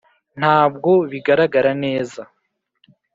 ntabwo bigaragara neza?